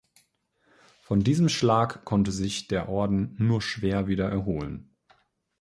Von diesem Schlag konnte sich der Orden nur schwer wieder erholen.